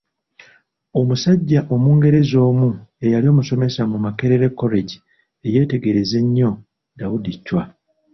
Omusajja Omungereza omu eyali omusomesa mu Makerere College eyeetegereza ennyo Daudi Chwa.